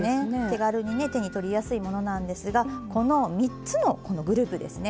手軽に手にとりやすいものなんですがこの３つのグループですね